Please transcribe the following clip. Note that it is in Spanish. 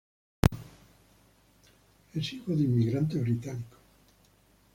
Es hijo de inmigrantes británicos.